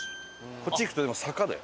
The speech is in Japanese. こっち行くとでも坂だよ。